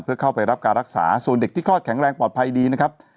เพื่อเข้าไปรับการรักษาส่วนเด็กที่คลอดแข็งแรงปลอดภัยดีนะครับ